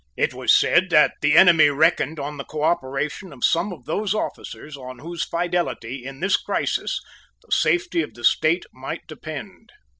It was said that the enemy reckoned on the cooperation of some of those officers on whose fidelity, in this crisis, the safety of the State might depend.